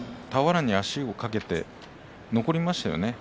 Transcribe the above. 鵬が俵に足をかけて残りましたね。